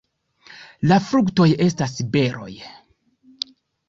La fruktoj estas beroj.